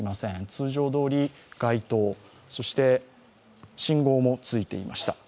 通常どおり街頭、そして信号もついていました。